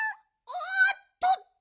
おっとっと。